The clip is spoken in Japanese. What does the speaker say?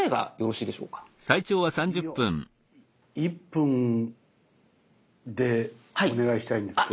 １分でお願いしたいんですけど。